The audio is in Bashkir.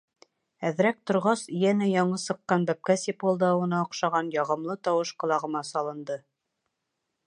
Әҙерәк торғас, йәнә яңы сыҡҡан бәпкә сипылдауына оҡшаған яғымлы тауыш ҡолағыма салынды.